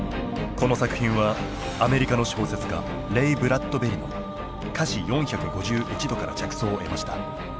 この作品はアメリカの小説家レイ・ブラッドベリの「華氏４５１度」から着想を得ました。